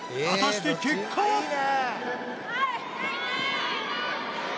果たして結果は？